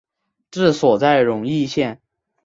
治所在荣懿县。